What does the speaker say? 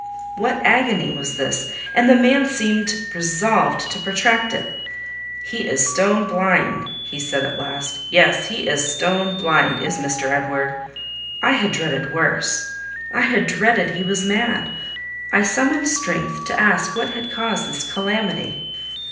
What agony was this! And the man seemed resolved to protract it. "He is stone blind," he said at last. "Yes, he is stone blind, is Mr. Edward." I had dreaded worse. I had dreaded he was mad. I summoned strength to ask what had caused this calamity.